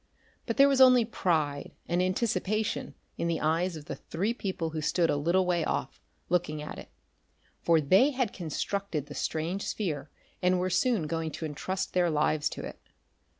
But there was only pride and anticipation in the eyes of the three people who stood a little way off, looking at it. For they had constructed the strange sphere, and were soon going to entrust their lives to it.